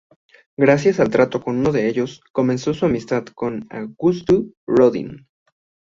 Gracias al trato con uno de ellos, comenzó su amistad con Auguste Rodin.